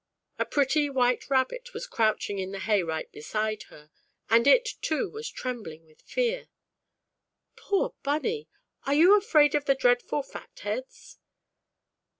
A pretty white Rabbit was crouching in the hay right beside her, and it, too, was trembling with fear. " Poor Bunny, are you afraid of the dreadful Fat Heads?"